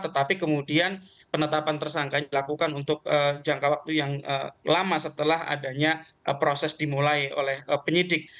tetapi kemudian penetapan tersangkanya dilakukan untuk jangka waktu yang lama setelah adanya proses dimulai oleh penyidik